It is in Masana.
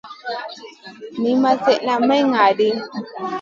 Niyn ma slèdeyn may ŋa ɗi.